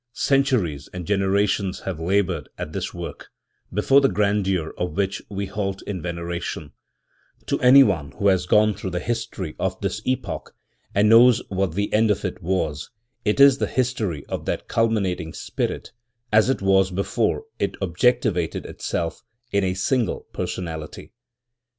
Centuries and generations have laboured at this work, before the grandeur of which we halt in veneration, To anyone who has gone through the history of this epoch and knows what the end of it was, it is the history of that cul minating spirit, as it was before it objoctivatcd itself in a single personality.